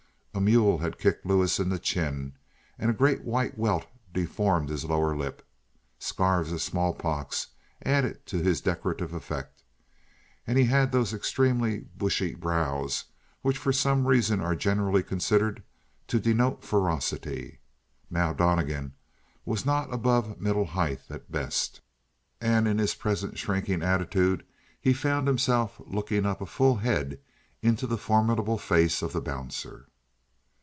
A mule had kicked Lewis in the chin, and a great white welt deformed his lower lip. Scars of smallpox added to his decorative effect, and he had those extremely bushy brows which for some reason are generally considered to denote ferocity. Now, Donnegan was not above middle height at best, and in his present shrinking attitude he found himself looking up a full head into the formidable face of the bouncer.